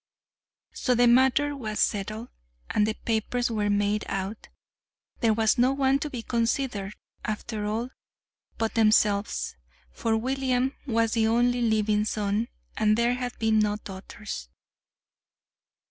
So the matter was settled, and the papers were made out. There was no one to be considered, after all, but themselves, for William was the only living son, and there had been no daughters.